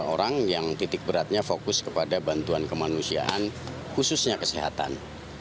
delapan puluh dua orang yang titik beratnya fokus kepada bantuan kemanusiaan khususnya kesehatan